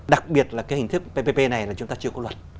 đặc biệt là cái hình thức ppp này là chúng ta chưa có luật